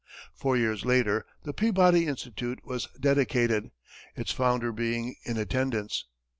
Four years later, the Peabody Institute was dedicated, its founder being in attendance.